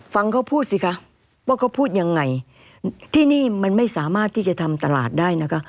ฟังเขาพูดสิคะว่าเขาพูดยังไงที่นี่มันไม่สามารถที่จะทำตลาดได้นะคะ